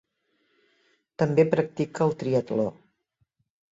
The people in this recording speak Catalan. També practica el triatló.